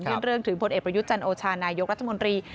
เรื่องถึงผลเอกประยุทธ์จันโอชานายกรัฐมนตรี